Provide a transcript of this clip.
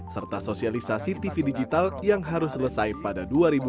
serta sosialisasi tv digital yang harus selesai pada dua ribu dua puluh